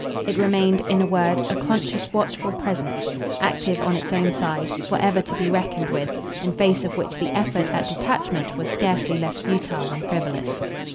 It remained, in a word, a conscious watchful presence, active on its own side, for ever to be reckoned with, in face of which the effort at detachment was scarcely less futile than frivolous.